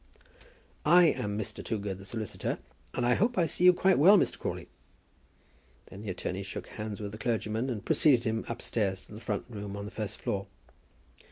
"I am Mr. Toogood, the solicitor, and I hope I see you quite well, Mr. Crawley." Then the attorney shook hands with the clergyman and preceded him upstairs to the front room on the first floor.